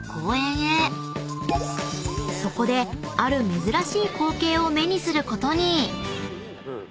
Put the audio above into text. ［そこである珍しい光景を目にすることに］